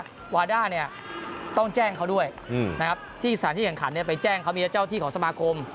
แปลว่าวาด้าต้องแจ้งเขาด้วยที่สถานที่แข่งขันไปแจ้งเขามีเจ้าที่ของสมาคม